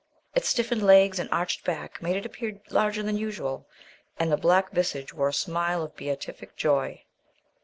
Its stiffened legs and arched back made it appear larger than usual, and the black visage wore a smile of beatific joy.